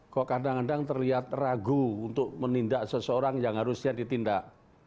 kok kadang kadang terlihat ragu untuk menindak seseorang yang harusnya ditindak